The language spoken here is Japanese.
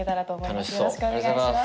楽しそうよろしくお願いします